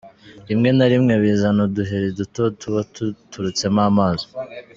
Rimwe na rimwe bizana uduheri duto tuba turetsemo amazi.